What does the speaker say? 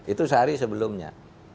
itu sehari sebelumnya